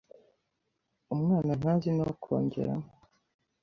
Umwana ntazi no kongeramo.